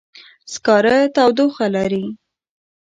سکاره تودوخه لري.